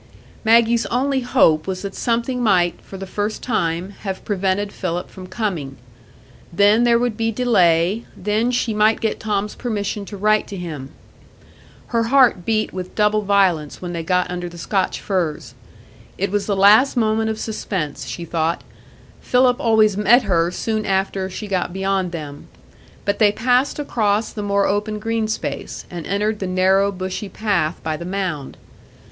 Maggie's only hope was that something might, for the first time, have prevented Philip from coming. Then there would be delay,—then she might get Tom's permission to write to him. Her heart beat with double violence when they got under the Scotch firs. It was the last moment of suspense, she thought; Philip always met her soon after she got beyond them. But they passed across the more open green space, and entered the narrow bushy path by the mound.